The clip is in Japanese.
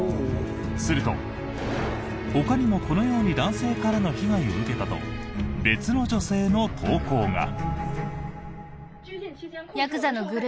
すると、ほかにもこのように男性からの被害を受けたと別の女性の投稿が。